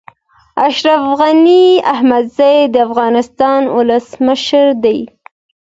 اشرف غني احمدزی د افغانستان ولسمشر دی